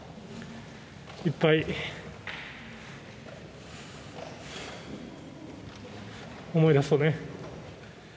いっぱい、思い出すとね。